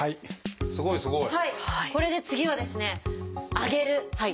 これで次はですね「上げる」。